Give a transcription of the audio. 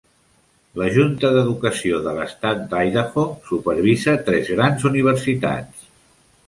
La junta d'educació de l'estat d'Idaho supervisa tres grans universitats.